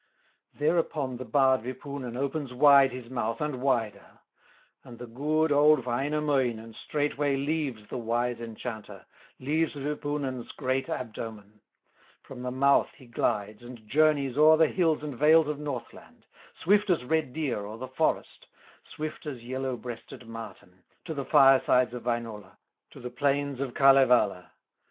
Thereupon the bard Wipunen Opens wide his mouth, and wider; And the good, old Wainamoinen Straightway leaves the wise enchanter, Leaves Wipunen's great abdomen; From the mouth he glides and journeys O'er the hills and vales of Northland, Swift as red deer of the forest, Swift as yellow breasted marten, To the firesides of Wainola, To the plains of Kalevala.